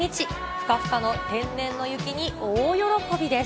ふかふかの天然の雪に大喜びです。